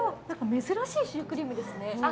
珍しいシュークリームですね。